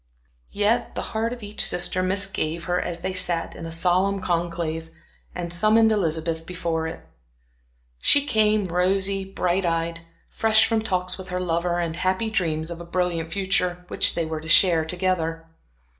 Yet the heart of each sister misgave her as they sat in a solemn conclave, and summoned Elizabeth before it. She came, rosy, bright eyed, fresh from talks with her lover and happy dreams of a brilliant future, which they were to share together.